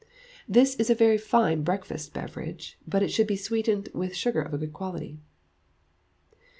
This is a very fine breakfast beverage; but it should be sweetened with sugar of a good quality.